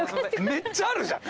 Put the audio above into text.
めっちゃあるじゃん。